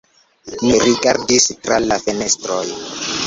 Mi rigardis tra la fenestroj.